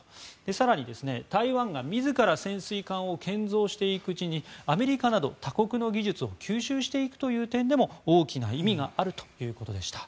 更に、台湾が自ら潜水艦を建造していくうちにアメリカなど他国の技術を吸収していくという点でも大きな意味があるということでした。